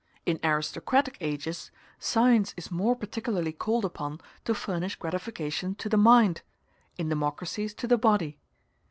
In aristocratic ages, science is more particularly called upon to furnish gratification to the mind; in democracies, to the body.